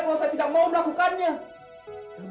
kalau saya tidak mau melakukannya